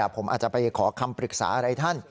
ผมอาจจะไปขอคำปรึกษาอะไรท่าน